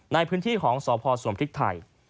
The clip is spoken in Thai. ในพื้นที่ของสพสวมพริกไทย